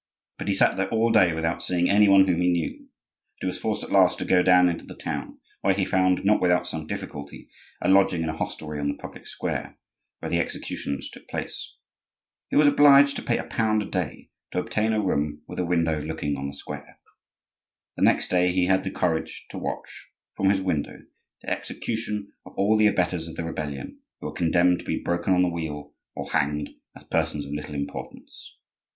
But he sat there all day without seeing any one whom he knew, and was forced at last to go down into the town, where he found, not without some difficulty, a lodging in a hostelry on the public square where the executions took place. He was obliged to pay a pound a day to obtain a room with a window looking on the square. The next day he had the courage to watch, from his window, the execution of all the abettors of the rebellion who were condemned to be broken on the wheel or hanged, as persons of little importance.